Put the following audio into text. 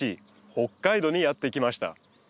北海道にやって来ました。